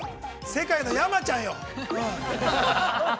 世界の山ちゃんよ！